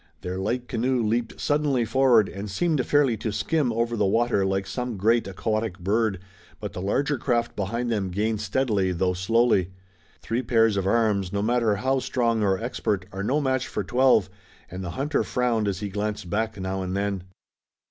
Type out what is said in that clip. Their light canoe leaped suddenly forward, and seemed fairly to skim over the water like some great aquatic bird, but the larger craft behind them gained steadily though slowly. Three pairs of arms, no matter how strong or expert, are no match for twelve, and the hunter frowned as he glanced back now and then.